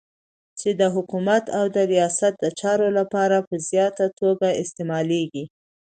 چی د حکومت او د ریاست دچارو لپاره په زیاته توګه استعمالیږی